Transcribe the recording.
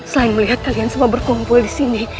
selain melihat kalian semua berkumpul di sini